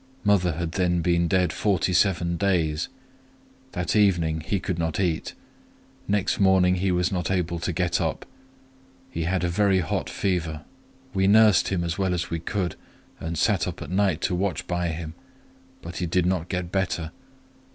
Mother had then been dead forty seven days. That evening he could not eat. Next morning he was not able to get up;—he had a very hot fever: we nursed him as well as we could, and sat up at night to watch by him; but he did not get better.